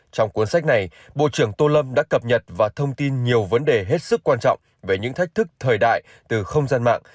trong cuốn sách này bộ trưởng tô lâm đã cập nhật và thông tin nhiều vấn đề hết sức quan trọng về những thách thức thời đại từ không gian mạng